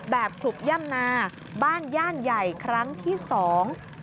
ขลุกย่ำนาบ้านย่านใหญ่ครั้งที่สอง